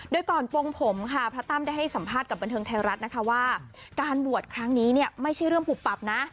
โดยก่อนปงผมค่ะพระตั้มได้ให้สัมภาษณ์กับบันเทิงไทยรัฐนะคะว่าการบวชครั้งนี้เนี่ยไม่ใช่เรื่องปุบปับนะ